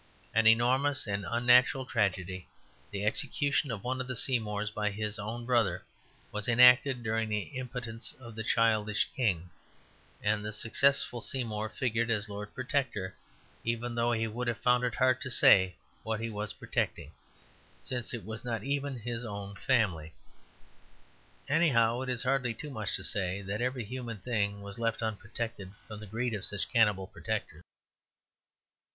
An enormous and unnatural tragedy, the execution of one of the Seymours by his own brother, was enacted during the impotence of the childish king, and the successful Seymour figured as Lord Protector, though even he would have found it hard to say what he was protecting, since it was not even his own family. Anyhow, it is hardly too much to say that every human thing was left unprotected from the greed of such cannibal protectors.